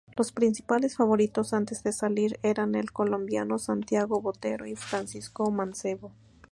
Los principales favoritos antes de salir eran el colombiano Santiago Botero y Francisco Mancebo.